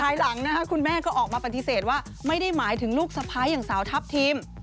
ภายหลังนะคะคุณแม่ก็ออกมาปฏิเสธว่าไม่ได้หมายถึงลูกสะพ้ายอย่างสาวทัพทิม